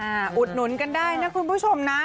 อุดหนุนกันได้นะคุณผู้ชมนะ